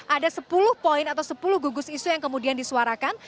ada sepuluh poin atau sepuluh gugus isu yang kemudian disuarakan